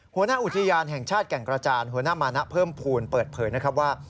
หัวหน้าอุทยานแห่งชาติแก่งกระจานหัวหน้ามานะเพิ่มภูมิเปิดเผยนะครับว่า